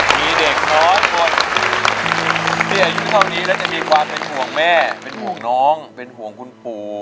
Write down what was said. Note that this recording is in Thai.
มีเด็กน้อยคนที่อายุเท่านี้แล้วจะมีความเป็นห่วงแม่เป็นห่วงน้องเป็นห่วงคุณปู่